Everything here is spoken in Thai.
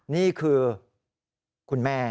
นี่คือคุณแม่